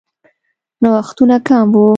نوښتونه کم وو.